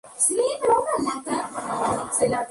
De las dos cimas, a la sur solo se puede acceder escalando.